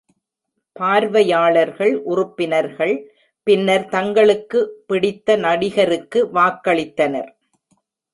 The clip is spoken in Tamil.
பார்வையாளர்கள் உறுப்பினர்கள் பின்னர் தங்களுக்கு பிடித்த நடிகருக்கு வாக்களித்தனர்.